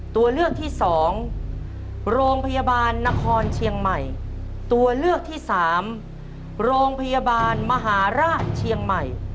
ตัวเลือกที่หนึ่งโรงพยาบาลมหาราชนครเชียงใหม่